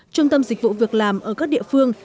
trung tâm dịch vụ việc làm ở các địa phương